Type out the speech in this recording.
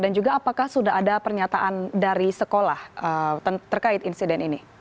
dan juga apakah sudah ada pernyataan dari sekolah terkait insiden ini